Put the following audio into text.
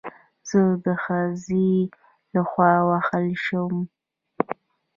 زه د خځې له خوا ووهل شوم